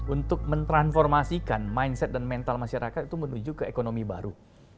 untuk mentransformasikan mindset dan mental masyarakat itu menuju ke ekonomi baru